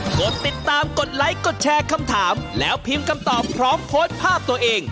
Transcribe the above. กดติดตามกดไลค์กดแชร์คำถามแล้วพิมพ์คำตอบพร้อมโพสต์ภาพตัวเอง